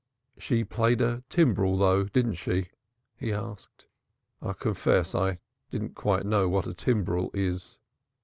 "She played a timbrel, though, didn't she?" he asked. "I confess I don't quite know what a timbrel is."